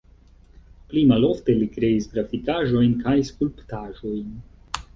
Pli malofte li kreis grafikaĵojn kaj skulptaĵojn.